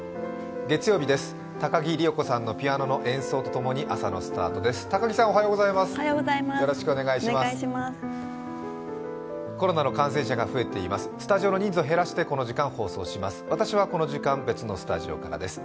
月曜日です、高木里代子さんのピアノの演奏とともに朝のスタートです。